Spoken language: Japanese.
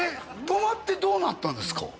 止まってどうなったんですか？